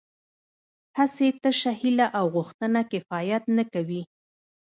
هسې تشه هیله او غوښتنه کفایت نه کوي